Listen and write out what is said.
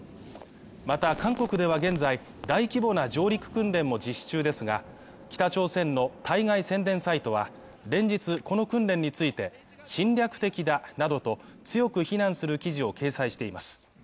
また韓国では現在、大規模な上陸訓練を実施中ですが、北朝鮮の対外宣伝サイトは連日この訓練について侵略的だなどと強く非難する記事を掲載しています。